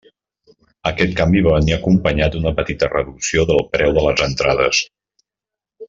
Aquest canvi va venir acompanyat d'una petita reducció del preu de les entrades.